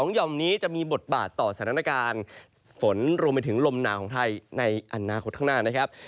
หย่อมนี้จะมีบทบาทต่อสถานการณ์ฝนรวมไปถึงลมหนาวของไทยในอนาคตข้างหน้านะครับ